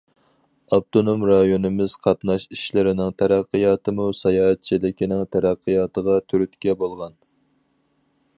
ئاپتونوم رايونىمىز قاتناش ئىشلىرىنىڭ تەرەققىياتىمۇ ساياھەتچىلىكنىڭ تەرەققىياتىغا تۈرتكە بولغان.